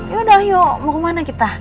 yaudah ayo mau kemana kita